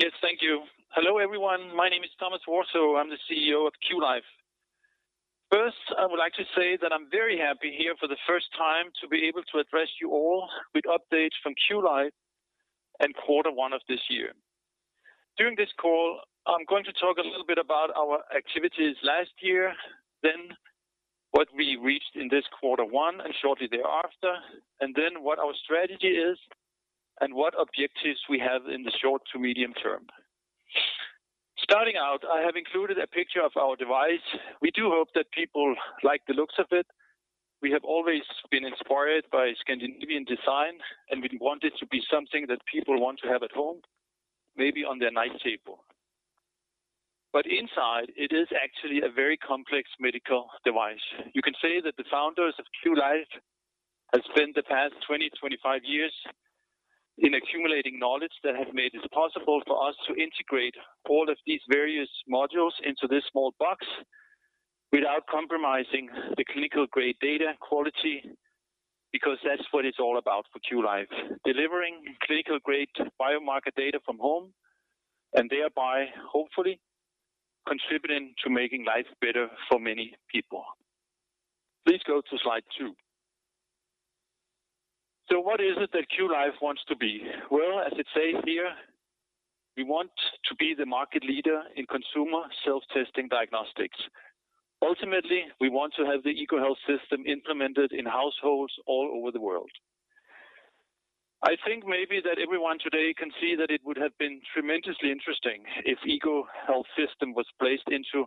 Yes. Thank you. Hello, everyone. My name is Thomas Warthoe. I'm the CEO of QLife. First, I would like to say that I'm very happy here for the first time to be able to address you all with updates from QLife and quarter one of this year. During this call, I'm going to talk a little bit about our activities last year, then what we reached in this quarter one and shortly thereafter, and then what our strategy is and what objectives we have in the short to medium term. Starting out, I have included a picture of our device. We do hope that people like the looks of it. We have always been inspired by Scandinavian design, and we want it to be something that people want to have at home, maybe on their night table. Inside, it is actually a very complex medical device. You can say that the founders of QLife have spent the past 20, 25 years in accumulating knowledge that has made it possible for us to integrate all of these various modules into this small box without compromising the clinical-grade data quality, because that's what it's all about for QLife. Delivering clinical-grade biomarker data from home, and thereby, hopefully, contributing to making life better for many people. Please go to slide two. What is it that QLife wants to be? Well, as it says here, we want to be the market leader in consumer self-testing diagnostics. Ultimately, we want to have the Egoo Health System implemented in households all over the world. I think maybe that everyone today can see that it would have been tremendously interesting if Egoo Health System was placed into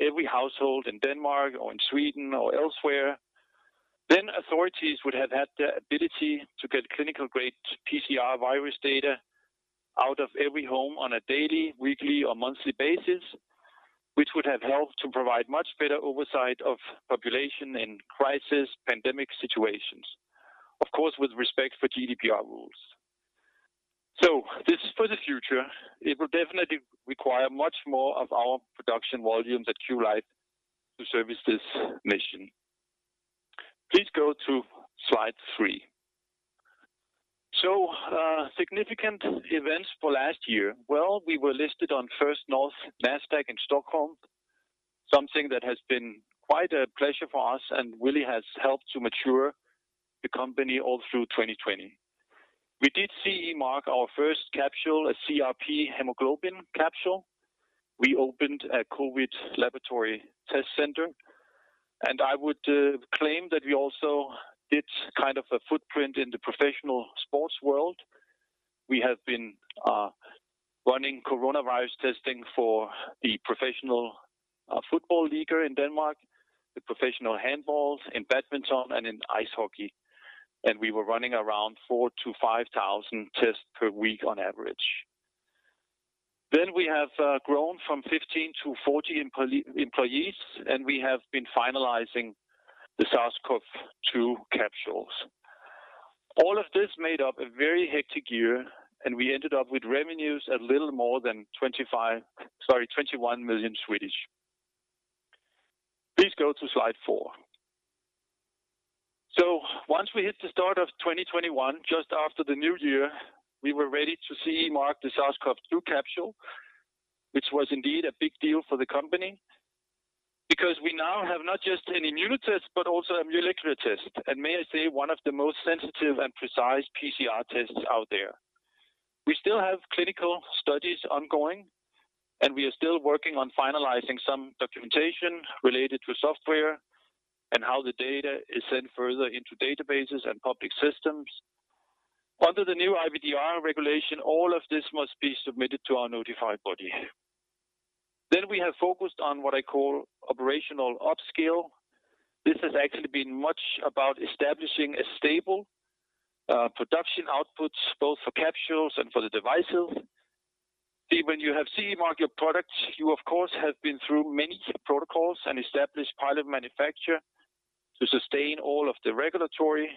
every household in Denmark or in Sweden or elsewhere. Authorities would have had the ability to get clinical-grade PCR virus data out of every home on a daily, weekly, or monthly basis, which would have helped to provide much better oversight of population in crisis pandemic situations. Of course, with respect for GDPR rules. This is for the future. It will definitely require much more of our production volume at QLife to service this mission. Please go to slide three. Significant events for last year. Well, we were listed on Nasdaq First North in Stockholm, something that has been quite a pleasure for us and really has helped to mature the company all through 2020. We did CE mark our first capsule, a CRP hemoglobin capsule. We opened a COVID laboratory test center, and I would claim that we also did kind of a footprint in the professional sports world. We have been running coronavirus testing for the professional football league in Denmark, the professional handball, in badminton, and in ice hockey. We were running around 4,000-5,000 tests per week on average. We have grown from 15-40 employees, and we have been finalizing the SARS-CoV-2 capsules. All of this made up a very hectic year, and we ended up with revenues a little more than 25 million, sorry, 21 million. Please go to slide four. Once we hit the start of 2021, just after the new year, we were ready to CE mark the SARS-CoV-2 capsule, which was indeed a big deal for the company because we now have not just an immunoassay, but also a molecular test. May I say, one of the most sensitive and precise PCR tests out there. We still have clinical studies ongoing, and we are still working on finalizing some documentation related to software and how the data is sent further into databases and public systems. Under the new IVDR regulation, all of this must be submitted to our notified body. We have focused on what I call operational upscale. This has actually been much about establishing a stable production output, both for capsules and for the devices. See, when you have CE mark your products, you of course have been through many protocols and established pilot manufacture to sustain all of the regulatory.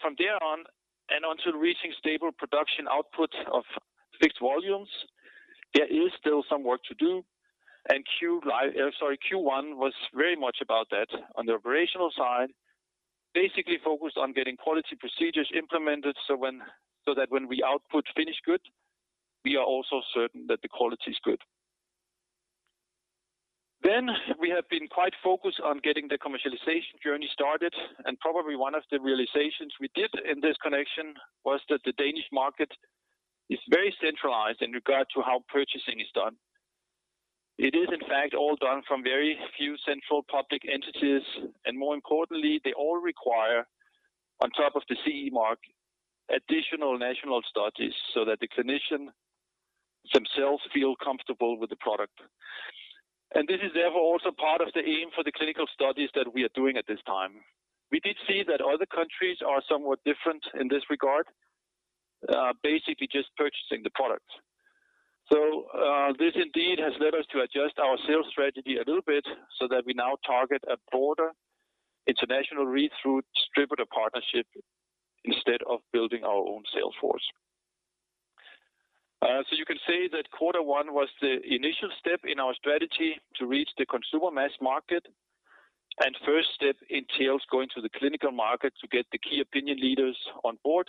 From there on and until reaching stable production output of fixed volumes, there is still some work to do. QLife, sorry, Q1 was very much about that on the operational side. Focused on getting quality procedures implemented so that when we output finished good, we are also certain that the quality is good. We have been quite focused on getting the commercialization journey started, and probably one of the realizations we did in this connection was that the Danish market is very centralized in regard to how purchasing is done. It is, in fact, all done from very few central public entities, and more importantly, they all require, on top of the CE mark, additional national studies so that the clinician themselves feel comfortable with the product. This is therefore also part of the aim for the clinical studies that we are doing at this time. We did see that other countries are somewhat different in this regard, basically just purchasing the product. This indeed has led us to adjust our sales strategy a little bit so that we now target a broader international read-through distributor partnership instead of building our own sales force. You can say that quarter one was the initial step in our strategy to reach the consumer mass market, and first step entails going to the clinical market to get the key opinion leaders on board,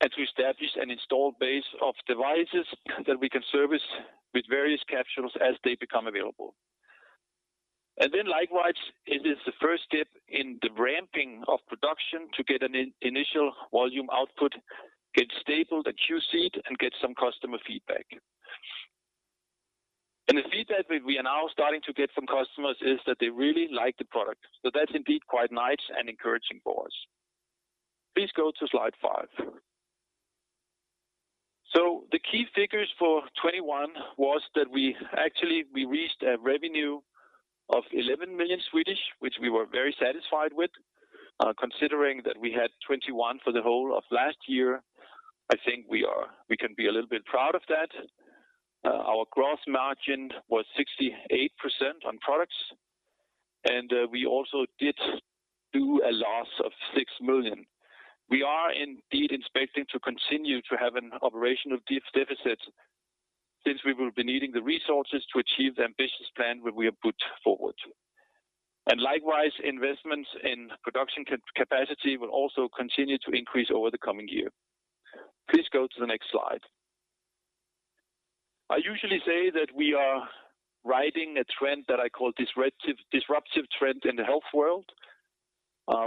and to establish an install base of devices that we can service with various capsules as they become available. Likewise, it is the first step in the ramping of production to get an initial volume output, get stable the QC-ed, and get some customer feedback. The feedback that we are now starting to get from customers is that they really like the product. That's indeed quite nice and encouraging for us. Please go to slide five. The key figures for 2021 was that we actually reached a revenue of 11 million, which we were very satisfied with, considering that we had 2021 for the whole of last year. I think we can be a little bit proud of that. Our gross margin was 68% on products. We also did do a loss of 6 million. We are indeed expecting to continue to have an operational deficit since we will be needing the resources to achieve the ambitious plan that we have put forward. Likewise, investments in production capacity will also continue to increase over the coming year. Please go to the next slide. I usually say that we are riding a trend that I call disruptive trend in the health world.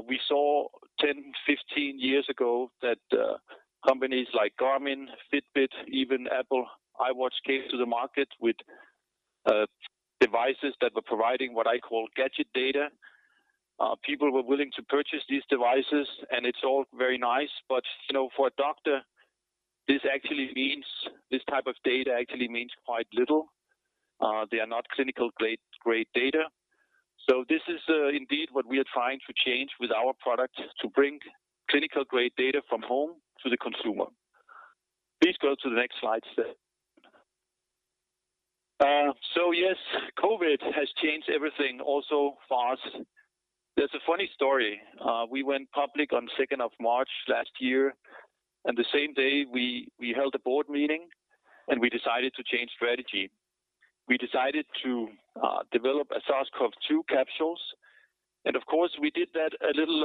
We saw 10, 15 years ago that companies like Garmin, Fitbit, even Apple Watch came to the market with devices that were providing what I call gadget data. People were willing to purchase these devices, and it's all very nice, but for a doctor, this type of data actually means quite little. They are not clinical-grade data. This is indeed what we are trying to change with our product, to bring clinical-grade data from home to the consumer. Please go to the next slide, [six]. Yes, COVID has changed everything also for us. There's a funny story. We went public on second of March last year, and the same day we held a board meeting, and we decided to change strategy. We decided to develop a SARS-CoV-2 capsules. Of course, we did that a little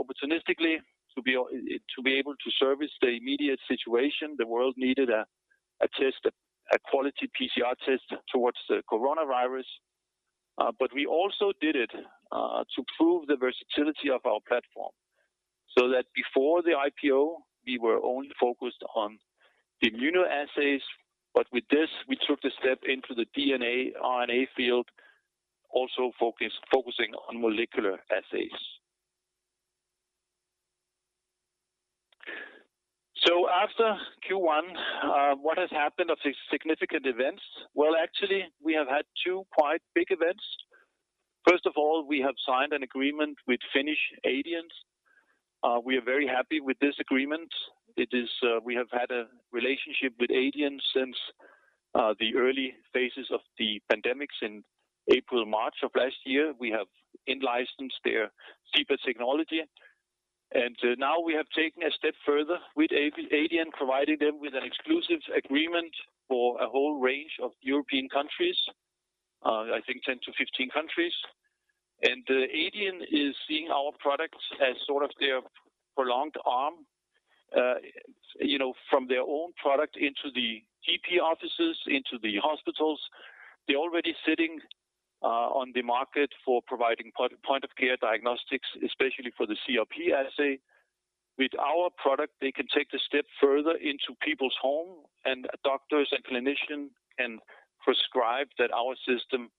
opportunistically to be able to service the immediate situation. The world needed a quality PCR test towards the coronavirus. We also did it to prove the versatility of our platform, so that before the IPO, we were only focused on immunoassays. With this, we took the step into the DNA, RNA field, also focusing on molecular assays. After Q1, what has happened of these significant events? Well, actually, we have had two quite big events. First of all, we have signed an agreement with Finnish Aidian. We are very happy with this agreement. We have had a relationship with Aidian since the early phases of the pandemics in April, March of last year. We have in-licensed their SIBA technology. Now we have taken a step further with Aidian, providing them with an exclusive agreement for a whole range of European countries, I think 10-15 countries. Aidian is seeing our products as sort of their prolonged arm from their own product into the GP offices, into the hospitals. They're already sitting on the market for providing point-of-care diagnostics, especially for the CRP assay. With our product, they can take the step further into people's home, doctors and clinicians can prescribe that our system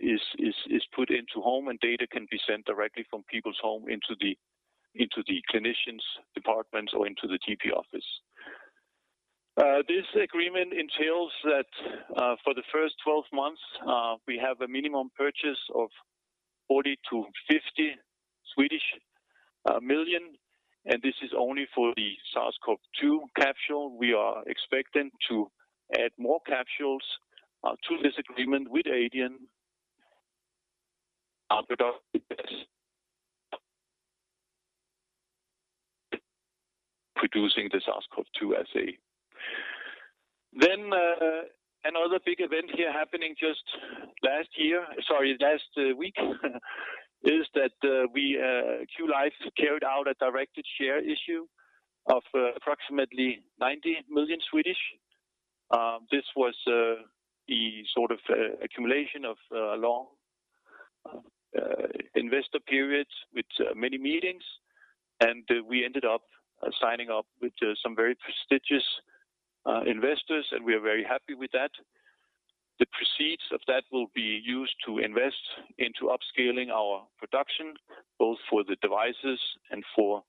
is put into home, and data can be sent directly from people's home into the clinicians' departments or into the GP office. This agreement entails that for the first 12 months, we have a minimum purchase of 40 million-50 million, and this is only for the SARS-CoV-2 capsule. We are expecting to add more capsules to this agreement with Aidian after producing the SARS-CoV-2 assay. Another big event here happening just last week is that QLife carried out a directed share issue of approximately 90 million. This was the sort of accumulation of a long investor period with many meetings, and we ended up signing up with some very prestigious investors, and we are very happy with that. The proceeds of that will be used to invest into upscaling our production, both for the devices and for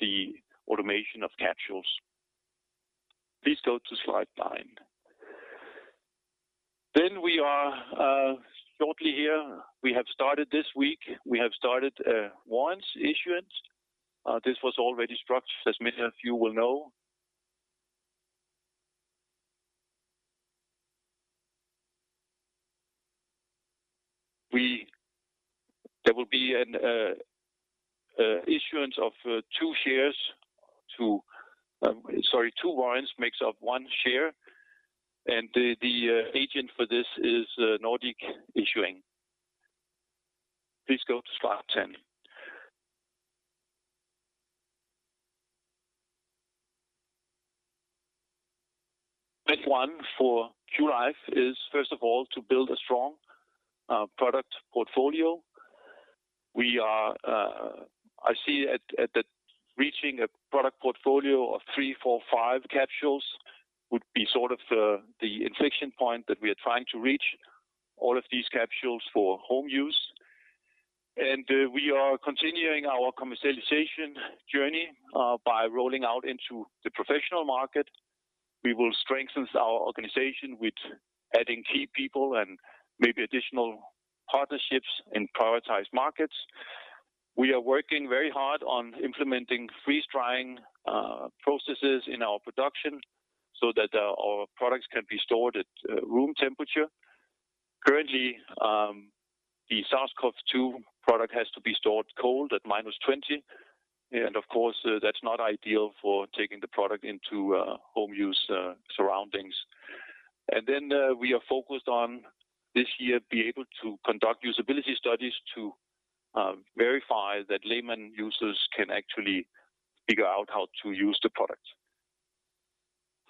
the automation of capsules. Please go to slide nine. We are shortly here. We have started this week. We have started warrants issuance. This was already structured, as many of you will know. There will be an issuance of two warrants makes up one share, and the agent for this is Nordic Issuing. Please go to slide 10. Next one for QLife is, first of all, to build a strong product portfolio. I see reaching a product portfolio of three, four, five capsules would be the inflection point that we are trying to reach, all of these capsules for home use. We are continuing our commercialization journey by rolling out into the professional market. We will strengthen our organization with adding key people and maybe additional partnerships in prioritized markets. We are working very hard on implementing freeze-drying processes in our production so that our products can be stored at room temperature. Currently, the SARS-CoV-2 product has to be stored cold at -20, and of course, that's not ideal for taking the product into home use surroundings. We are focused on, this year, be able to conduct usability studies to verify that layman users can actually figure out how to use the product.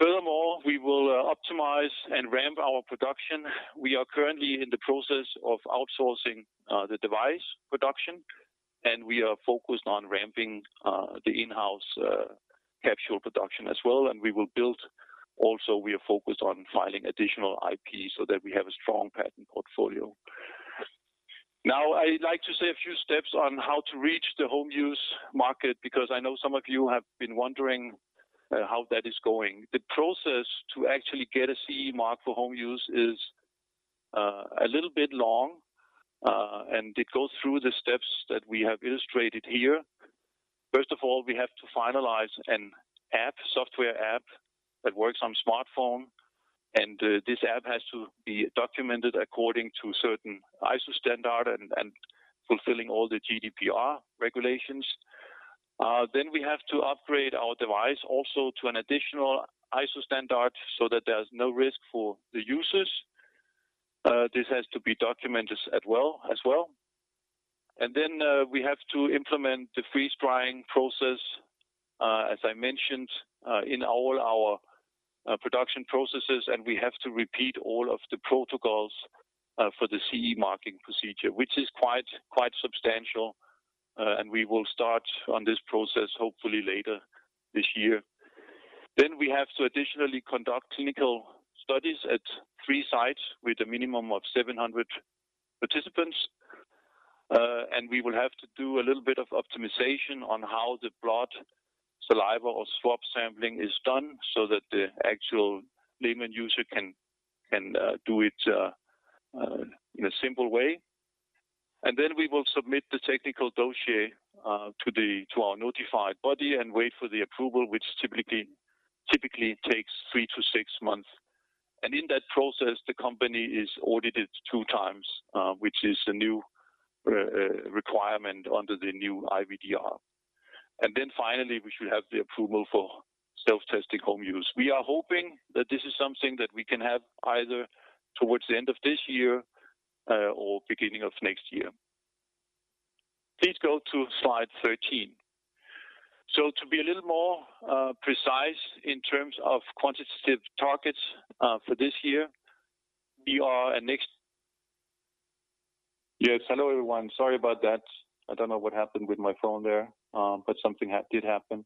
Furthermore, we will optimize and ramp our production. We are currently in the process of outsourcing the device production, and we are focused on ramping the in-house capsule production as well. Also, we are focused on filing additional IP so that we have a strong patent portfolio. Now, I'd like to say a few steps on how to reach the home use market, because I know some of you have been wondering how that is going. The process to actually get a CE mark for home use is a little bit long, and it goes through the steps that we have illustrated here. First of all, we have to finalize an app, software app, that works on smartphone, and this app has to be documented according to certain ISO standard and fulfilling all the GDPR regulations. We have to upgrade our device also to an additional ISO standard so that there's no risk for the users. This has to be documented as well. We have to implement the freeze-drying process, as I mentioned, in all our production processes, and we have to repeat all of the protocols for the CE marking procedure, which is quite substantial. We will start on this process hopefully later this year. We have to additionally conduct clinical studies at three sites with a minimum of 700 participants. We will have to do a little bit of optimization on how the blood, saliva, or swab sampling is done so that the actual layman user can do it in a simple way. We will submit the technical dossier to our notified body and wait for the approval, which typically takes three to six months. In that process, the company is audited 2x, which is a new requirement under the new IVDR. Finally, we should have the approval for self-testing home use. We are hoping that this is something that we can have either towards the end of this year or beginning of next year. Please go to slide 13. To be a little more precise in terms of quantitative targets for this year, Yes, hello, everyone. Sorry about that. I don't know what happened with my phone there, but something did happen.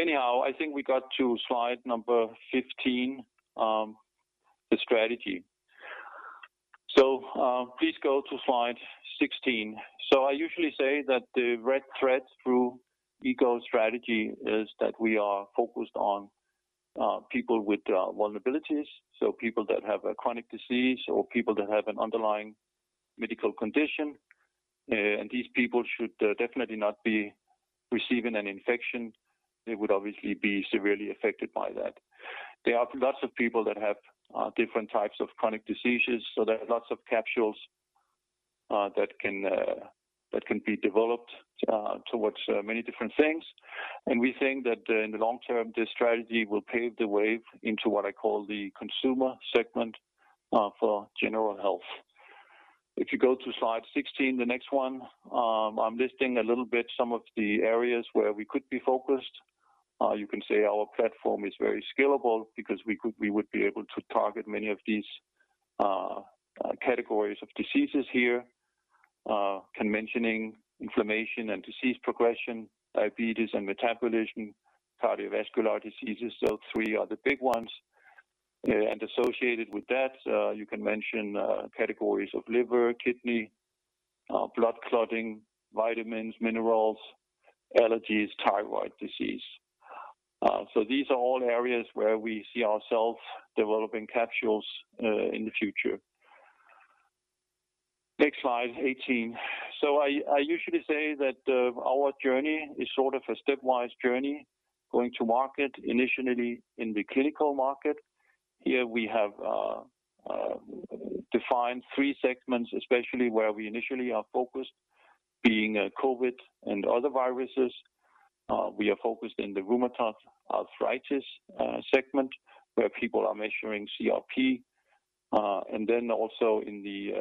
Anyhow, I think we got to slide number 15, the strategy. Please go to slide 16. I usually say that the red thread through Egoo's strategy is that we are focused on people with vulnerabilities, so people that have a chronic disease or people that have an underlying medical condition. These people should definitely not be receiving an infection. They would obviously be severely affected by that. There are lots of people that have different types of chronic diseases, so there are lots of capsules that can be developed towards many different things. We think that in the long term, this strategy will pave the way into what I call the consumer segment for general health. If you go to slide 16, the next one, I'm listing a little bit some of the areas where we could be focused. You can say our platform is very scalable because we would be able to target many of these categories of diseases here. Can mentioning inflammation and disease progression, diabetes and metabolism, cardiovascular diseases. Three are the big ones. Associated with that, you can mention categories of liver, kidney, blood clotting, vitamins, minerals, allergies, thyroid disease. These are all areas where we see ourselves developing capsules in the future. Next slide, 18. I usually say that our journey is sort of a stepwise journey, going to market initially in the clinical market. Here we have defined three segments, especially where we initially are focused, being COVID and other viruses. We are focused in the rheumatoid arthritis segment, where people are measuring CRP, and then also in the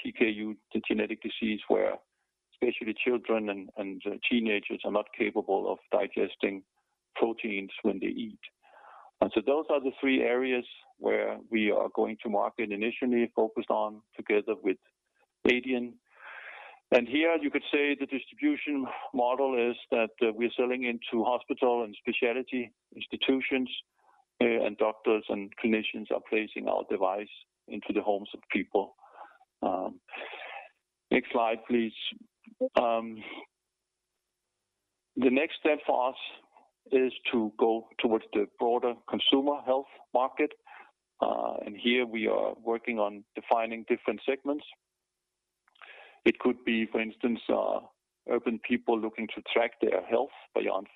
PKU, the genetic disease where especially children and teenagers are not capable of digesting proteins when they eat. Those are the three areas where we are going to market, initially focused on together with Aidian. Here you could say the distribution model is that we're selling into hospital and specialty institutions, and doctors and clinicians are placing our device into the homes of people. Next slide, please. The next step for us is to go towards the broader consumer health market. Here we are working on defining different segments. It could be, for instance, urban people looking to track their health beyond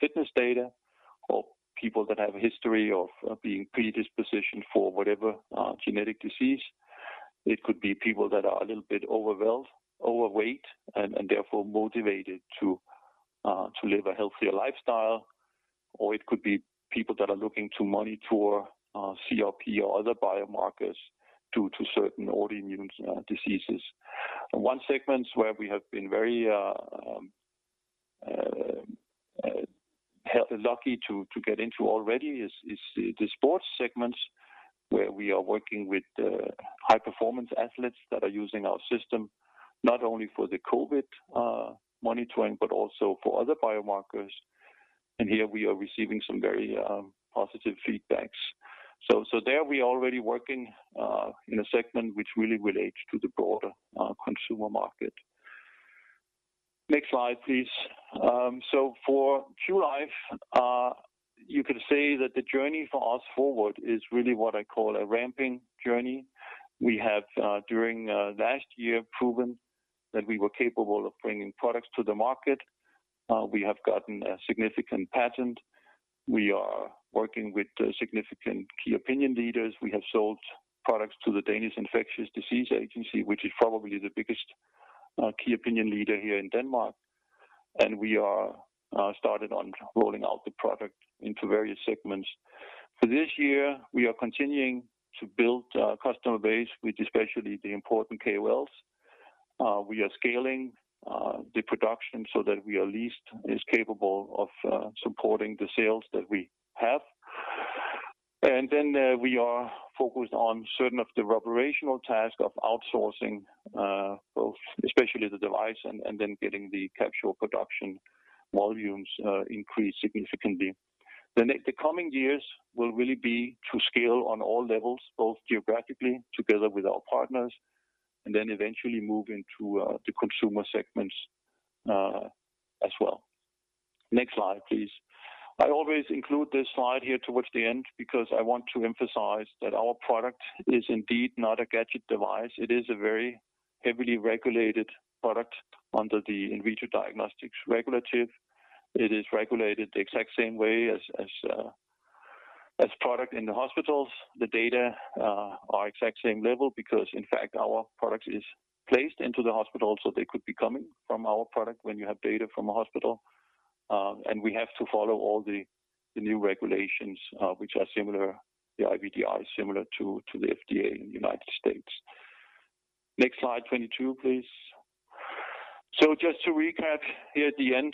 fitness data, or people that have a history of being predispositioned for whatever genetic disease. It could be people that are a little bit overweight and therefore motivated to live a healthier lifestyle. It could be people that are looking to monitor CRP or other biomarkers due to certain autoimmune diseases. One segment where we have been very lucky to get into already is the sports segment, where we are working with high-performance athletes that are using our system not only for the COVID monitoring, but also for other biomarkers. Here we are receiving some very positive feedbacks. There we are already working in a segment which really relates to the broader consumer market. Next slide, please. For QLife, you could say that the journey for us forward is really what I call a ramping journey. We have, during last year, proven that we were capable of bringing products to the market. We have gotten a significant patent. We are working with significant key opinion leaders. We have sold products to the Statens Serum Institut, which is probably the biggest key opinion leader here in Denmark. We are started on rolling out the product into various segments. For this year, we are continuing to build a customer base with especially the important KOLs. We are scaling the production so that we are at least as capable of supporting the sales that we have. We are focused on certain of the operational tasks of outsourcing, both especially the device and getting the capsule production volumes increased significantly. The coming years will really be to scale on all levels, both geographically together with our partners, and eventually move into the consumer segments as well. Next slide, please. I always include this slide here towards the end because I want to emphasize that our product is indeed not a gadget device. It is a very heavily regulated product under the in vitro diagnostics regulative. It is regulated the exact same way as product in the hospitals. The data are exact same level because, in fact, our product is placed into the hospital, so they could be coming from our product when you have data from a hospital. We have to follow all the new regulations, which are similar, the IVD is similar to the FDA in the U.S. Next slide, 22, please. Just to recap here at the end.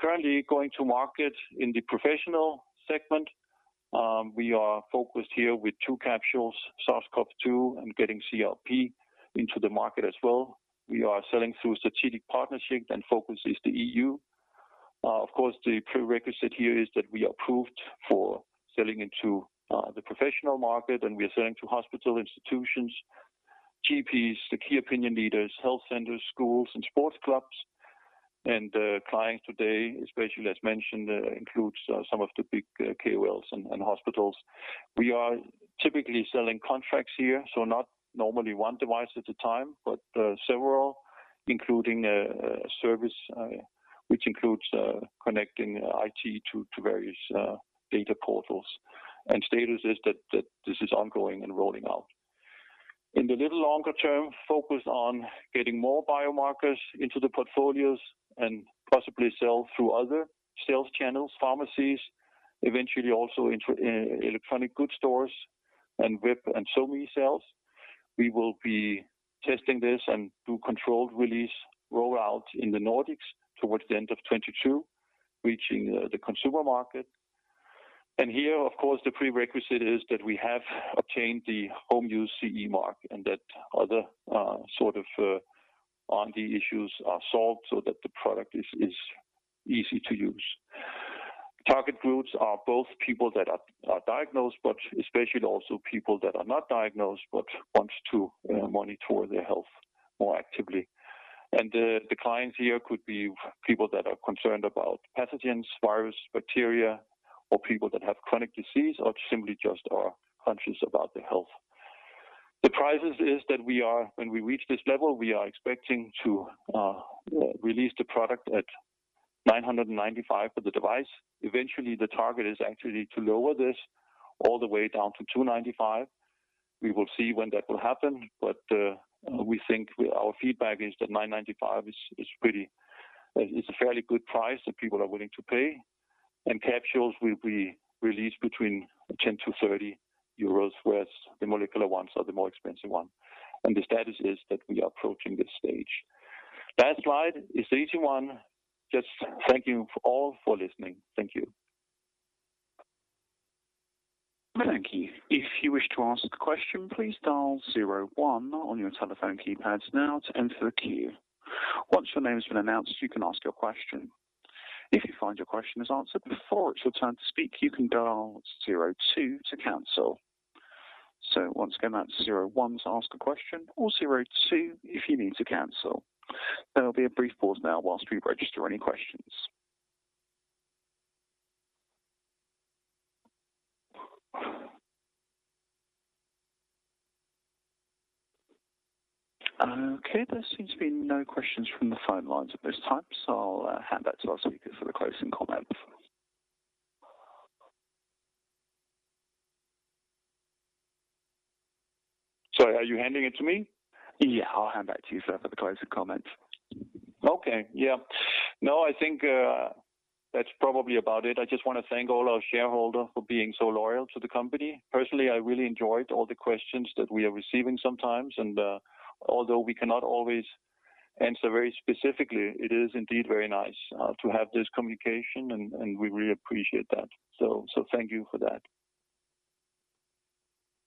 Currently going to market in the professional segment. We are focused here with two capsules, SARS-CoV-2, and getting CRP into the market as well. We are selling through strategic partnerships and focus is the EU. Of course, the prerequisite here is that we are approved for selling into the professional market and we are selling to hospital institutions, GPs, the key opinion leaders, health centers, schools and sports clubs. The clients today, especially as mentioned, includes some of the big KOLs and hospitals. We are typically selling contracts here, so not normally one device at a time, but several, including a service which includes connecting IT to various data portals. Status is that this is ongoing and rolling out. In the little longer term, focus on getting more biomarkers into the portfolios and possibly sell through other sales channels, pharmacies, eventually also into electronic goods stores and web and SoMe sales. We will be testing this and do controlled release rollout in the Nordics towards the end of 2022, reaching the consumer market. Here, of course, the prerequisite is that we have obtained the home use CE mark and that other sort of on the issues are solved so that the product is easy to use. Target groups are both people that are diagnosed, but especially also people that are not diagnosed but want to monitor their health more actively. The clients here could be people that are concerned about pathogens, virus, bacteria, or people that have chronic disease or simply just are conscious about their health. The price is that when we reach this level, we are expecting to release the product at 995 for the device. Eventually, the target is actually to lower this all the way down to 295. We will see when that will happen, but we think our feedback is that 995 is a fairly good price that people are willing to pay. Capsules will be released between 10-30 euros, whereas the molecular ones are the more expensive one. The status is that we are approaching this stage. Last slide is the easy one. Just thank you all for listening. Thank you. Thank you. If you wish to ask a question, please dial zero one on your telephone keypads now to enter the queue. Once your name has been announced, you can ask your question. If you find your question is answered before it's your turn to speak, you can dial zero two to cancel. Once again, that's zero one to ask a question or zero two if you need to cancel. There'll be a brief pause now while we register any questions. Okay. There seems to be no questions from the phone lines at this time, so I'll hand back to our speaker for the closing comments. Sorry, are you handing it to me? Yeah. I'll hand back to you, sir, for the closing comments. Okay. Yeah. I think that's probably about it. I just want to thank all our shareholders for being so loyal to the company. Personally, I really enjoyed all the questions that we are receiving sometimes. Although we cannot always answer very specifically, it is indeed very nice to have this communication, and we really appreciate that. Thank you for that.